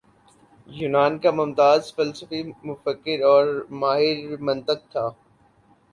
یونان کا ممتاز فلسفی مفکر اور ماہر منطق تھا